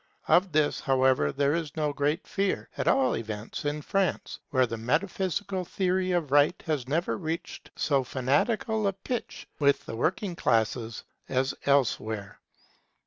Of this, however, there is no great fear, at all events in France, where the metaphysical theory of Right has never reached so fanatical a pitch with the working classes as elsewhere.